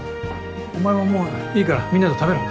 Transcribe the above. お前ももういいからみんなと食べろ。